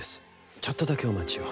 ちょっとだけお待ちを。